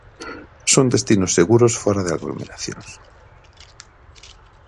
Son destinos seguros fóra de aglomeracións.